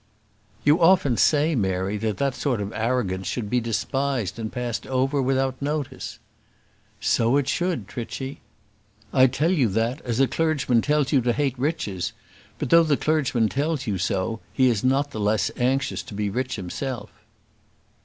"You often say, Mary, that that sort of arrogance should be despised and passed over without notice." "So it should, Trichy. I tell you that as a clergyman tells you to hate riches. But though the clergyman tells you so, he is not the less anxious to be rich himself."